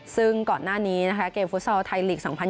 ซึ่งก่อนหน้านี้นะคะเกมฟุตซอลไทยลีก๒๐๒๐